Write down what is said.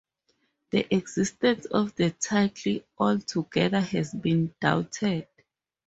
The existence of the title altogether has been doubted.